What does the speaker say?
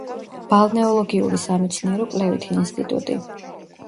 ბალნეოლოგიური სამეცნიერო-კვლევითი ინსტიტუტი.